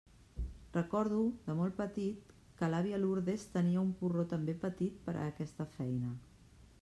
Recordo, de molt petit, que l'àvia Lourdes tenia un porró també petit per a aquesta feina.